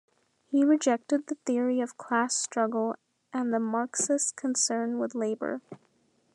He rejected the theory of class struggle and the Marxist concern with labor.